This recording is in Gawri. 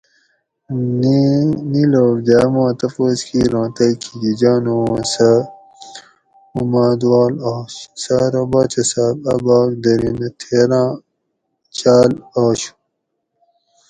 نی لوک جاۤ ما تپوس کیر اُوں تئی کھیکی جانو اوں سہ اُمادوال آش؟ سہ ارو باچہ صاۤب اۤ بھاگ دھرینہ تھیراۤں چاۤل آشو